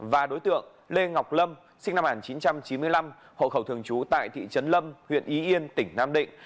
và đối tượng lê ngọc lâm sinh năm một nghìn chín trăm chín mươi năm hộ khẩu thường trú tại thị trấn lâm huyện y yên tỉnh nam định